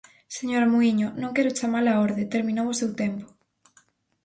Señora Muíño, non quero chamala a orde, terminou o seu tempo.